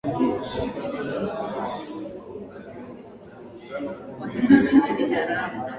ambazo wanaweza skeletonize ngombe katika dakika chini